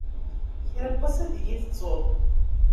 Kra n wass ad yi-tettuḍ.